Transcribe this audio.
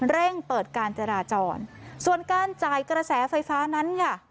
เร่งเปิดการจราจรส่วนการจ่ายกระแสไฟฟ้านั้นค่ะ